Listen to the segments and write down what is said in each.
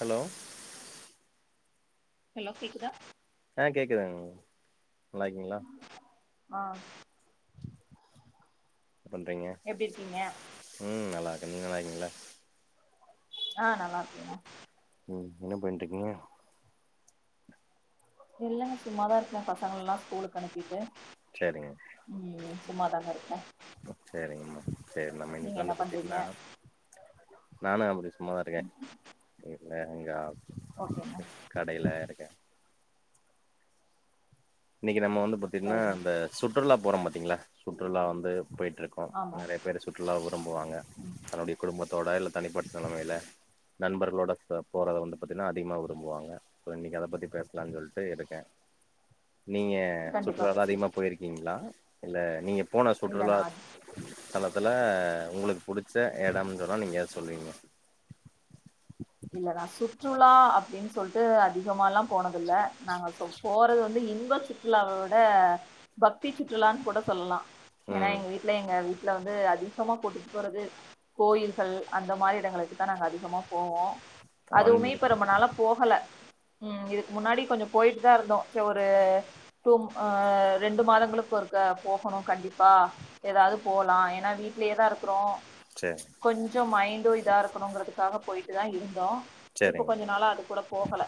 hello hello கேக்குதா ஆ கேட்குதுங்க நல்லாயிருக்கிங்களா ஆ பண்றீங்க எப்படி இருக்கீங்க ம் நல்லா இருக்கேன் நீங்க நல்லா இருக்கீங்களா ஆ நல்லா இருக்கேங்க ம் என்ன பன்னிட்டு இருக்கீங்க இல்லங்க சும்மாதான் இருக்கேன் பசங்கள் எல்லாம் ஸ்கூலுக்கு அனுப்பிட்டு சேரிங்க ஐயையோ சும்மாதாங்க இருக்கேன் சரிங்கம்மா சரி நம்ம இன்னைக்கு என்ன வந்து பண்றீங்க பாத்தீங்கன்னா நானும் அப்படி சொன் சும்மா இருக்கேன் இல்ல எங்க ஆ ஓகேங்க கடையில இருக்கேன் இன்னைக்கு நம்ம வந்து பாத்தீங்கன்னா சரிங்க அந்த சுற்றுலா போறோம் பாத்தீங்களா சுற்றுலா வந்து போயிட்ட ஆமாம் சுற்றுலா விரும்புவாங்க தன்னுடைய குடும்பத்தோட இல்ல தனிப்பட்ட நிலமையில நண்பர்களோட போறத வந்து பாத்தீங்கனா அதிகமாக விரும்புவாங்க ஸோ இன்னைக்கு அத பத்தி பேசலாம்னு சொல்லிட்டு இருக்கேன் நீங்க கண்டிப்பா சுற்றுலா எல்லாம் பேசலா அதிகமாக போயிருக்கீங்களா இல்ல நீங்க போன இல்ல சுற்றுலா நா தலத்துல உங்களுக்கு புடிச்ச எடம்னு சொன்னா நீங்க ஏத சொல்லுவீங்க இல்ல நா சுற்றுலா அப்படின்னு சொல்ட்டு அதிகமாலா போனதில்ல நாங்க சொ போறது வந்து இன்ப சுற்றுலாவவிட பக்தி சுற்றுலான்னு கூட சொல்லலா ஏன்னா ம் எங்க வீட்ல எங்க வீட்டுல வந்து அதிகமா கூட்டுட்டு போறது கோயில்கள் அந்த மாரி இக்கே எடங்களுக்கு தா நாங்க அதிகமா போவோ அதுவுமே ஆன்மீக இப்போ ரொம்ப சுற்றுலா நாளா போகல ம் இதுக்கு முன்னாடி கொஞ்ச போயிட்டுதா இருந்தோ சரி ஒரு டூம் ஆ ரெண்டு மாதங்களுக்கு ஒருக்க போகணு கண்டிப்பா ஏதாவது போலா ஏன்னா வீட்லயேதா இருக்குறோ சேர் கொஞ்சம் மைண்டு இதா இருக்கணுங்குறதுக்காக போயிட்டு தா இருந்தோ இப்ப சேரிங்க கொஞ்ச நாளா அது கூட போகல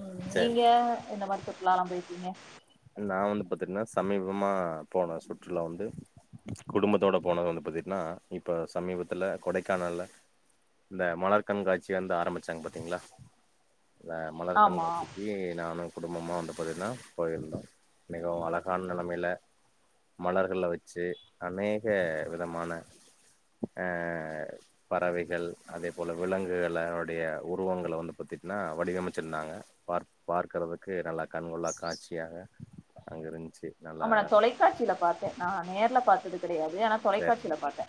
ம் சேரி நீங்க எந்த மாரி சுற்றுலாலா போயிருக்கீங்க நா வந்து பாத்தீங்கன்னா சமீபமா போன சுற்றுலா வந்து குடும்பத்தோட போனது வந்து பாத்தீங்கன்னா இப்ப சமீபத்துல கொடைக்கானல்ல இந்த மலர் கண்காட்சி வந்து ஆரம்பிச்சாங்க பாத்தீங்களா அந்த மலர் ஆமா கண்காட்சிக்கு நானு குடும்பம வந்து பாத்தீங்கன்னா போயிருந்தோ மிகவு அழகான நெலைமையில மலர்கள வச்சி அநேக விதமான ஆ பறவைகள் அதே போல விலங்குகளளுடைய உருவங்கள வந்து பாத்தீட்டினா வடிவமைச்சிருந்தாங்க பார் பார்க்கறதுக்கு நல்லா கண்கொள்ளா காட்சியாக அங்க இருந்ச்சி ஆமா நா தொலைக்காட்சியில பாத்தே நா நேர்ல பாத்தது கெடையாது ஆனா தொலைக்காட்சியில சரிங்க பாத்தே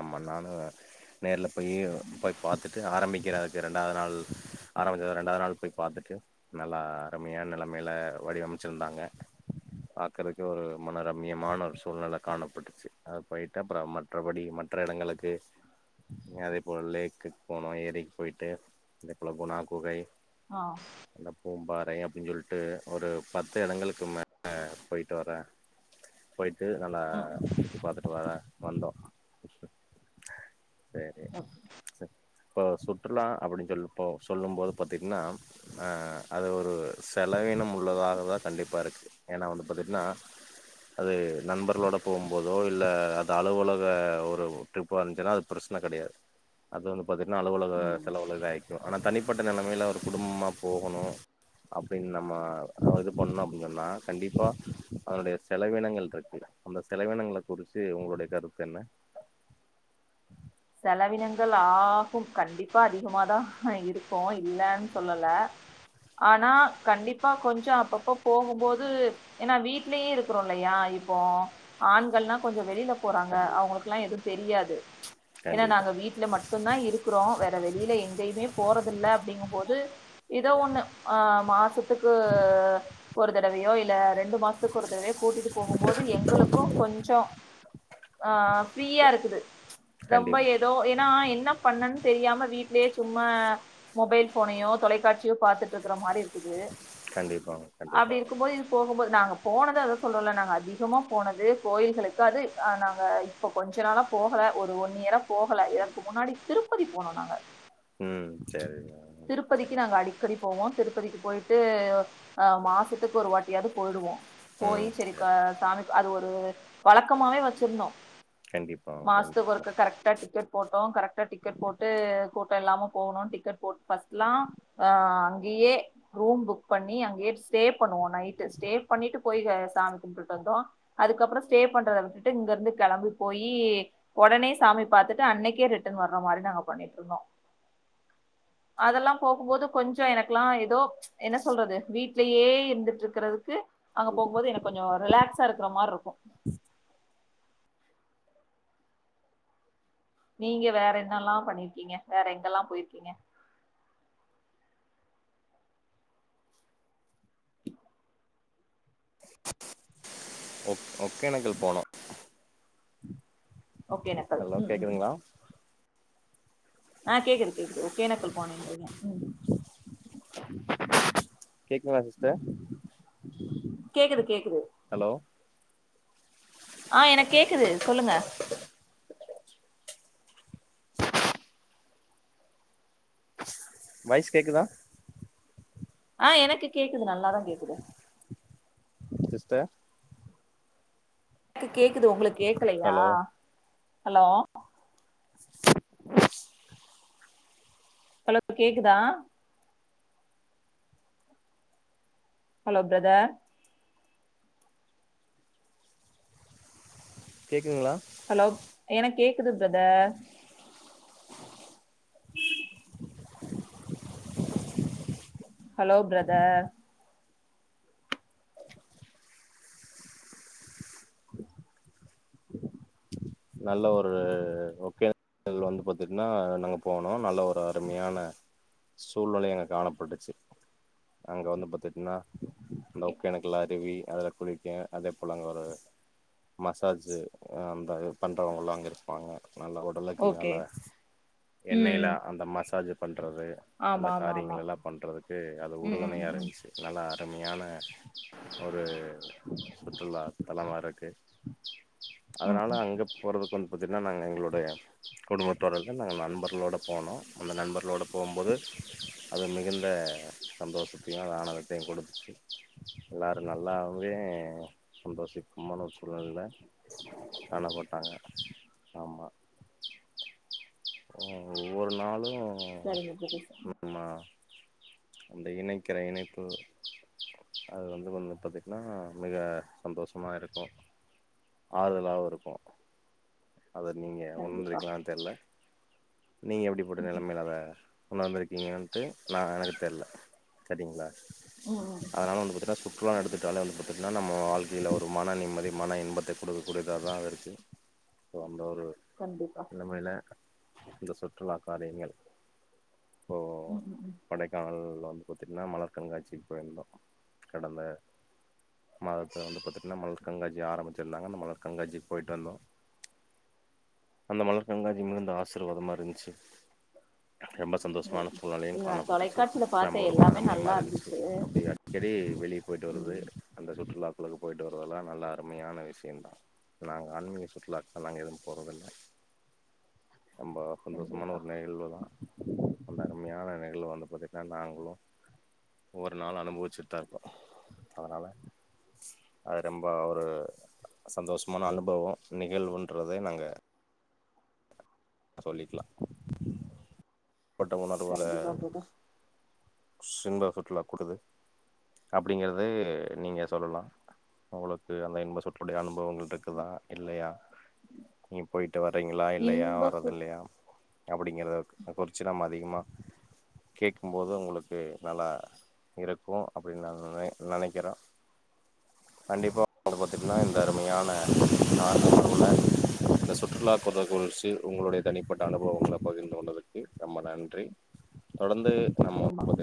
ஆமா நானு நேர்ல போய் போய் பாத்துட்டு ஆரம்பிக்கிற ரெண்டாவது நாள் ஆரம்பிச்சது ரெண்டாவது நாள் போய் பாத்துட்டு நல்லா அருமையான நெலைமையில வடிவமைச்சிருந்தாங்க பாக்கறக்கு ஒரு மன ரம்மியமான ஒரு சூழ்நில காணப்பட்டுச்சி அது போயிட்ட அப்பற மற்றபடி மற்ற எடங்களுக்கு அத போல லேக்குக் போனோ ஏரிக்கு போயிட்டு அதுகுள்ள போனா குகை ஆ அந்த பூம்பாறை அப்படின் சொல்லிட்டு ஒரு பத்து எடங்களுக்கு மேல போயிட்டு வரே போயிட்டு நல்லா ம் ம் தட்டுவாடா வந்தோ சேரி ஓகே இப்ப சுற்றுலா அப்படின்னு சொல்லும்போ சொல்லும் போது பாத்தீங்கன்னா ஆ அது ஒரு செலவினம் உள்ளதாகதா கண்டிப்பா இருக்கு ஏன்னா வந்து பாத்துட்டீன்னா அது நண்பர்களோடு போகும்போதோ இல்ல அது அலுவலக ஒரு ட்ரிப்பா இருந்துச்சின்னா அது பிரச்சன கெடையாது அது வந் பாத்தீட்டின்னா அலுவலக ம் செலவுல இது ஆயிக்கு ஆனா தனிப்பட்ட நெலமையில ஒரு குடும்பமா போகணு அப்டின்னு நம்ம இது பண்ணோ அப்டின் சொன்னா கண்டிப்பா அதனுடைய செலவினங்கள் இருக்கு அந்த செலவினங்கள குறிச்சி உங்களுடைய கருத்து என்ன செலவினங்கள் ஆகு கண்டிப்பா அதிகமாதா இருக்கு இல்லன் சொல்லல ஆனா கண்டிப்பா கொஞ்சோ அப்பப்ப போகும்போது ஏன்னா வீட்லயே இருக்குறோ இல்லையா இப்போ ஆண்கள்லா கொஞ்ச வெளியில போறாங்க கண்டிப்பா அவுங்களுக்குலா எதுவு தெரியாது ஏன்னா கண்டிப்பா நாங்க வீட்ல மட்டுந்தா இருக்குறோ வேற வெளியில எங்கயுமே போறதில்ல அப்படிங்கும் போது ஏதோ ஒண்ணு ஆ மாசத்துக்கு ஒரு தடவையோ இல்ல ரெண்டு மாசத்துக்கு ஒரு தடவையோ கூட்டிட்டு போகும்போது எங்களுக்கும் கொஞ்சோம் ஆ ஃப்ரீயா இருக்குது ரொம்ப கண்டிப்பா ஏதோ ஏன்னா என்ன பண்ணனும் தெரியாம வீட்லயே சும்மா மொபைல் ஃபோனையோ தொலைக்காட்சியோ பாத்துட்டு இருக்கற மாறி இருக்குது கண்டிப்பாங்க அப்படி கண்டிப்பாங்க இருக்கும் போது போகும்போது நாங்க போனது அத சொல்றோம்ல்ல நாங்க அதிகமா போனது கோயில்களுக்கு அது நாங்க இப்ப கொஞ்ச நாளா போகல ஒரு ஒன்னு இயர்ரா போகல இதற்கு முன்னாடி திருப்பதி போனோ நாங்க ம் சரிங்க திருப்பதிக்கி நாங்க அடிக் அக்கடி போவோம் திருப்பதிக்கி போயிட்டு ஆ மாசத்துக்கு ஒரு வாட்டியாவது போயிடுவோம் போயி ம் சேரி க் சரி சாமி அது ஒரு வழக்கமாவே வச்சிருந்தோம் கண்டிப்பாங்க பிரண்ட் ருக்கு கரெக்ட் கரெக்டா டிக்கெட் போட்டோ கரெக்டா டிக்கெட் போட்டு கூட்டம் இல்லாம போணு டிக்கெட் போட் ஃபர்ஸ்ட்லாம் ஆ அங்கேயே ரூம் புக் பண்ணி அங்கேயே ஸ்டே பண்ணுவோ நைட்டு ஸ்டே பண்ணிட்டு போயி சாமி கும்பிட்டு வந்தோம் அதுக்கப்புறம் ஸ்டே பண்றத விட்டுட்டு இங்க இருந்து கிளம்பி போயி உடனே சாமி பாத்துட்டு அன்னைக்கே ரிட்டர்ன் வர மாறி நாங்க பண்ணிட்டு இருந்தோம் அதெல்லாம் போகும்போது கொஞ்சம் எனக்கு எல்லா ஏதோ என்ன சொல்றது வீட்லேயே இருந்துட்டு இருக்கறதுக்கு அங்க போகும் போது எனக்கு கொஞ்சம் ரிலாக்ஸா இருக்கிற மாறி இருக்கும் நீங்க வேற என்னெல்லாம் பண்ணிருக்கீங்க வேற எங்கெல்லாம் போயிருக்கீங்க ஓக் ஒகேனக்கல் போனோம் ஒகேனக்கல் ஹலோ ம் ம் கேக்குதுங்களா ஆ கேக்குது கேக்குது ஓகேனக்கல் போனேன்றீங்க ம் கேக்குதுங்களா சிஸ்டர் கேக்குது கேக்குது ஹலோ ஆ எனக்கு கேக்குது சொல்லுங்க வாய்ஸ் கேக்குதா ஆ எனக்கு கேக்குது நல்லாதான் கேக்குது சிஸ்டர் எனக்கு கேக்குது உங்களுக்கு கேக்கலையா ஹலோ ஹலோ ஹலோ கேக்குதா ஹலோ பிரதர் கேக்குதுங்களா ஹலோ எனக்கு கேக்குது பிரதர் உஹம் ஹலோ பிரதர் நல்ல ஒரு ஓக்கே வந்து பாத்தீட்டங்னா நாங்க போனோம் நல்ல ஒரு அருமையான சூழ்நிலை அங்க காணப்பட்டுச்சு அங்க வந்து பாத்த நா அந்த ஒகேனக்கல் அருவி அதுல குளிக்கேன் அதே போல அங்க ஒரு மசாஜு அ அந்த பண்றவங்கல்லா அங்க இருப்பாங்க நல்லா ஒர் ளக்கு ஓகே வேலை ம் எண்ணெய்ல ம் அந்த மசாஜ் பண்றது அந்த ஆமா ஆமா ஆமா காரியங்கள் எல்லா பண்றதுக்கு அது ம் ம் உறுதுணையா ம் ம் இருன்ச்சு நல்லா அருமையான அ ஒரு சுற்றுலா தலமா இருக்கு ம் அதனால அங்க போறதுக்கு வந்து பாத்தீங்கன்னா நாங்க எங்களுடைய குடும்பத்தோட இல்ல நாங்க நண்பர்களோட போனோ அந்த நண்பர்களோட போம்போது அது மிகுந்த சந்தோஷத்தையு அது ஆனந்தத்தையு குடுத்துச்சு எல்லாரு நல்லாவே சந்தோஷிக்மான ஒரு சூழல்ல அணை போட்டாங்க ஆமா ம் ஒவ்வொரு நாளும் சரிங்க பிரதர்ஸ் ம் அந்த இணைக்கிற இணைப்பு அது வந்து வந்து பாத்தீட்ன்னா மிக சந்தோஷமா இருக்கும் ஆறுதலாவு இருக்கும் அத நீங்க கண்டிப்பா உணர்ந்திருக்கீங்ளான்னு தெர்ல நீங்க எப்படி பட்ட ம் நிலைமையில அத உணர்ந்திருக்கீங்கன்ட்டு நா எனக்கு தெர்ல கேட்டிங்ளா ம் ம் அதனால வந்து பாத்துகிட்டா சுற்றுலான்னு எடுத்துட்டாலே வந்து பாத்திட்டு னா நம்ம வாழ்க்கையில ஒரு மன நிம்மதி மன இன்பத்தை குடுக்கக்கூடியதாக தா இருக்கு சோ அந்த ஒரு கண்டிப்பா நிலமைல இந்த சுற்றுலா காரியங்கள் இப்போ ம் ம் ம் படைக் காலைல வந்து பாத்திட்ன்னா மலர் கண்காட்சிக்கு போயிருந்தோ கடந்த மாதத்த வந்து பாத்தீட்ன்னா மலர் கண்காட்சி ஆரம்பிச்சிருந்தாங்க அந்த மலர் கண்காட்சிக்கு போயிட்டு வந்தோ அந்த மலர் கண்காட்சி மிகுந்த ஆசிர்வாதமா இருந்துச்சு ரொம்ப ஓ சந்தோஷமான சூழ்நிலையு இல்ல நா காணப்பட்டுச்சு தொலைக்காட்சியில நம்ப பாத்தே ஒரு எல்லாமே மரமே நல்லா மறந்துச்சு இருந்துச்சு அப்படியா செடி வெளிய போயிட்டு வருது ம் அந்த சுற்றுலா குழுக்கு போயிட்டு வருவதெல்லா நல்ல அருமையான விஷயந்தா நாங்க ஆன்மீக சுற்றுலா நாங்க எதும் போறதில்ல நம்ப சந்தோஷமான கண்டிப்பா ஒரு நிகழ்வு தா அந்த அருமையான நிகழ்வு வந்து பாத்துகிட்டா நாங்களும் ஒவ்வொரு நாளும் அனுபவிச்சுட்டு தா இருக்கோ அதனால அது ரொம்போ ஒரு சந்தோஷமான அனுபவோ நிகழ்வுன்றதே நாங்க சொல்லிக்லா போட்ட உட்னே அது ஒரு கண்டிப்பா பிரதர் சின்பச் சுற்றுலா கூடுது அப்படிங்கறத நீங்க சொல்லலா உங்களுக்கு அந்த இன்ப சுற்று உடைய அனுபவங்கள் இருக்குதா இல்லையா நீங்க போயிட்டு வர்றீங்களா இல்லையா ஏன் இன்ப வரது சொற் இல்லையா அப்படிங்கிறத குறிச்சு நம்ம அதிகமாக கேட்கும்போது உங்களுக்கு கு நல்லா இருக்கும் அப்படின்னு நா நனைக்கிறோ கண்டிப்பா [unintelligible] பாத்திட்னா இந்த கண்டிப்பா அருமையான [unintelligible] இந்த சுற் றுலா குழு குறிச்சு உங்களுடைய தனிப்பட்ட அனுபவங்கள பகிர்ந்து கொண்டதுக்கு ரொம்ப நன்றி தொடர்ந்து நாம் லாம்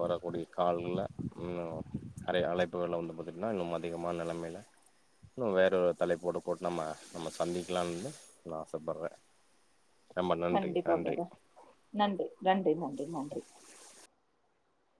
வரக்கூடிய கால்கள்ல ம் அரை அழைப்புகல்ல வந்து பாத்திட்டன்னா இன்னும் அதிகமான நிலைமையில இன்னும் வேற ஒரு தலைப்போட போட்டு நம்ம நம்ம சந்திக்கலான்னு நா ஆசைப்பட்றே கண்டிப்பா பிரதர் நன்றி நன்றி நன்றி நன்றி